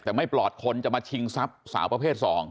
แต่ไม่ปลอดคนจะมาชิงทรัพย์สาวประเภท๒